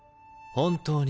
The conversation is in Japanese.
本当に？